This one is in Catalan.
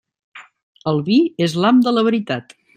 El vi és l'ham de la veritat.